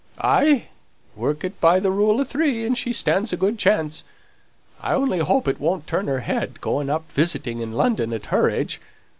"Ay, work it by the rule o' three, and she stands a good chance. I only hope it won't turn her head; going up visiting in London at her age.